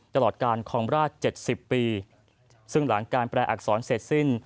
ตลอดการคลองราช๗๐ปีซึ่งหลังการแปลอักษรเสร็จสิ้น